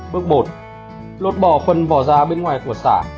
bước một lột bỏ phần vỏ ra bên ngoài của xã